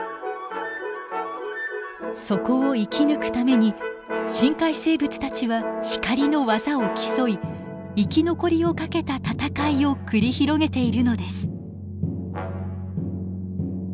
そこを生き抜くために深海生物たちは光の技を競い生き残りを懸けた戦いを繰り広げているのです。